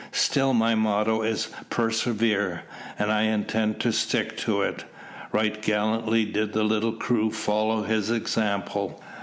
Still my motto is `persevere,' and I intend to stick to it." Right gallantly did the little crew follow his example.